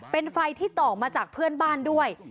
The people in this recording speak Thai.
เป็นไฟที่ต่อมาจากเพื่อนบ้านด้วย